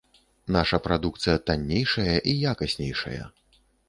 Наша прадукцыя таннейшая і якаснейшая.